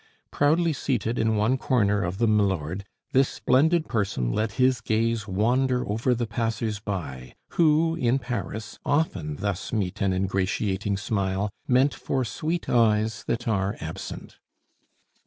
Proudly seated in one corner of the milord, this splendid person let his gaze wander over the passers by, who, in Paris, often thus meet an ingratiating smile meant for sweet eyes that are absent.